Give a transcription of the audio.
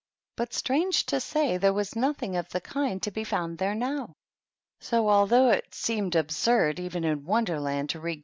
But, strange to say, there was nothing of the kind to be found there now. So, although it seemed absurd, even in Wonderland, to read 72 THE TEA TABLE.